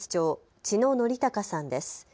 千野哲孝さんです。